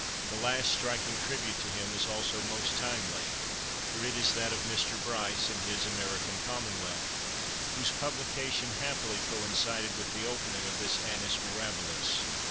The last striking tribute to him is also most timely, for it is that of Mr. Bryce in his "American Commonwealth," whose publication happily coincided with the opening of this annus mirabilis.